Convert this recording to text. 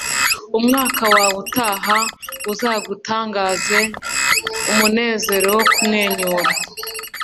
umwaka wawe utaha uzagutangaze umunezero wo kumwenyura